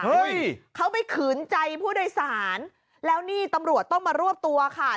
เขาไปขืนใจผู้โดยสารแล้วนี่ตำรวจต้องมารวบตัวค่ะ